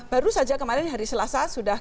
baru saja kemarin hari selasa sudah